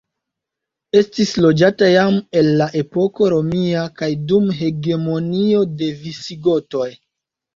Estis loĝata jam el la epoko romia kaj dum hegemonio de visigotoj.